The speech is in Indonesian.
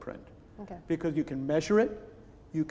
karena anda bisa mengukurnya